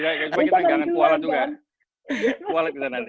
nah untuk mengomentari saya akan beri kesempatan kepada pak mardhani dulu